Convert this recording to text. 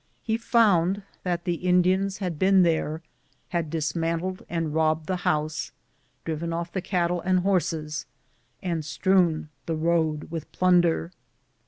He found that the Indians had been there, had dismantled and robbed the house, driven off the cattle and horses, and strewn the road with plunder.